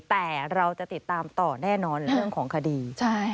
แต่เราจะติดตามต่อแน่นอนเรื่องของคดี